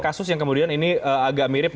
kasus yang kemudian ini agak mirip